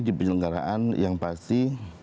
di penyelenggaraan yang pasti